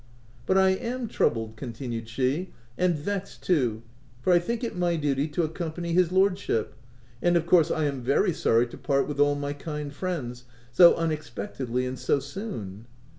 "But I am troubled," continued she, "and vexed too, for I think it my duty to accompany his lordship, and of course I am very sorry to part with all my kind friends, so unexpectedly and so soon."